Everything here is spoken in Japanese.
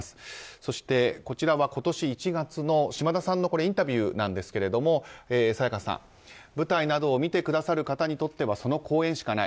そして、こちらは今年１月の島田さんのインタビューですが沙也加さん、舞台などを見てくださる方にとってはその公演しかない。